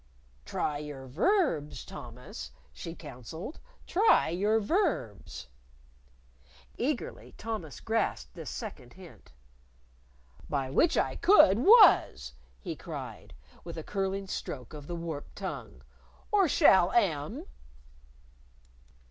"Try your verbs, Thomas!" she counseled. "Try your verbs!" Eagerly Thomas grasped this second hint. "By which I could was!" he cried, with a curling stroke of the warped tongue; "or shall am!"